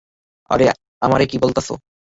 আরে আমারে কী বলতেসো?